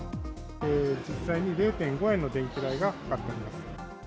実際に０．５円の電気代がかかっております。